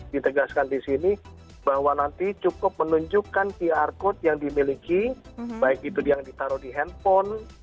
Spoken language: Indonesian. ditegaskan di sini bahwa nanti cukup menunjukkan qr code yang dimiliki baik itu yang ditaruh di handphone